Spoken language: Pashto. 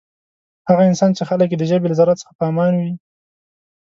هغه انسان چی خلک یی د ژبی له ضرر څخه په امان وی.